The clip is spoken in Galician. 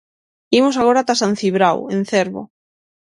Imos agora ata San Cibrao, en Cervo.